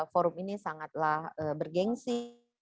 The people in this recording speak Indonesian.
forum ini sangatlah bergensi